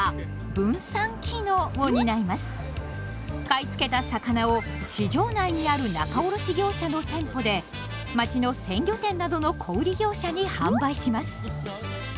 買い付けた魚を市場内にある仲卸業者の店舗で町の鮮魚店などの小売業者に販売します。